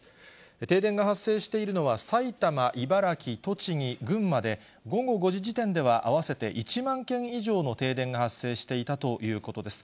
停電が発生しているのは埼玉、茨城、栃木、群馬で、午後５時時点では、合わせて１万軒以上の停電が発生していたということです。